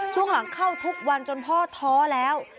ช่วงหลังเข้าทุกวันจนพ่อท้อแล้ว